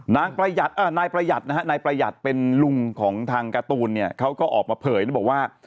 นายประหยัดเป็นลุงของทางการ์ตูนเขาก็ออกมาเผยแล้วบอกว่า